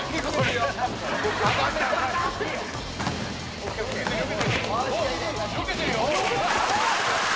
「よけてるよ！」